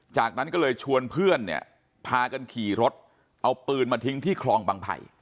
จากนั้นก็เลยชวนเพื่อนเนี่ยพากันขี่รถเอาปืนมาทิ้งที่คลองบังไผ่